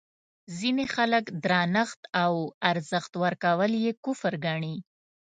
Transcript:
ځینې خلک درنښت او ارزښت ورکول یې کفر ګڼي.